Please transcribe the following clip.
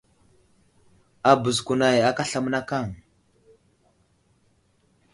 Abəz kunay aka aslam mənakaŋ.